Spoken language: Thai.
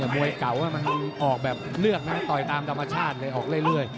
แต่มวยเก่ามันออกแบบเลือกนะต่อยตามธรรมชาติเลยออกเรื่อย